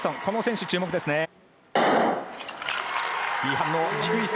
この選手、注目ですね。